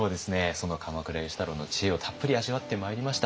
その鎌倉芳太郎の知恵をたっぷり味わってまいりました。